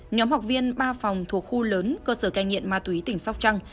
nhóm học viên ba phòng thuộc khu lớn cơ sở canh nhiện ma túy tỉnh sóc trăng